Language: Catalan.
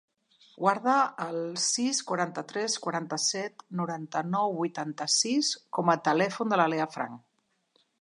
Guarda el sis, quaranta-tres, quaranta-set, noranta-nou, vuitanta-sis com a telèfon de la Leah Franch.